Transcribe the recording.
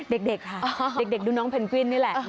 เด็กค่ะเด็กดูน้องเพนกวินนี่แหละ